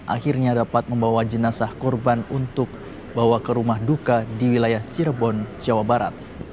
akhirnya dapat membawa jenazah korban untuk bawa ke rumah duka di wilayah cirebon jawa barat